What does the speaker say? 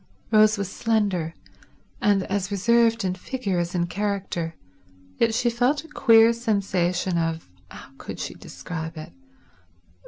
Rose was slender, and as reserved in figure as in character, yet she felt a queer sensation of—how could she describe it?